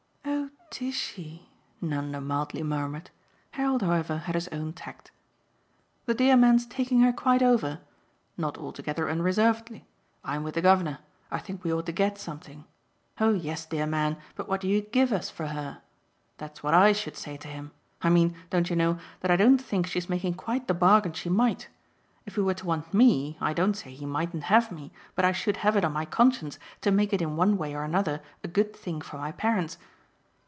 "Oh Tishy!" Nanda mildly murmured. Harold, however, had his own tact. "The dear man's taking her quite over? Not altogether unreservedly. I'm with the governor: I think we ought to GET something. 'Oh yes, dear man, but what do you GIVE us for her?' that's what I should say to him. I mean, don't you know, that I don't think she's making quite the bargain she might. If he were to want ME I don't say he mightn't have me, but I should have it on my conscience to make it in one way or another a good thing for my parents.